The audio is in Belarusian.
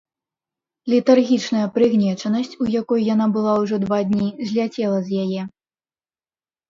Летаргічная прыгнечанасць, у якой яна была ўжо два дні, зляцела з яе.